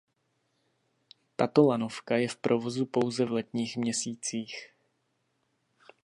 Tato lanovka je v provozu pouze v letních měsících.